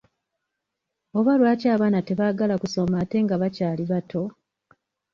Oba lwaki abaana tebaagala kusoma ate nga bakyali bato?